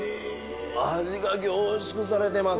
味が凝縮されてます！